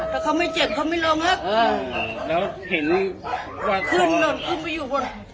ถ้าเขาไม่เจ็บเขาไม่ลงล่ะเออแล้วเห็นขึ้นขึ้นไปอยู่บน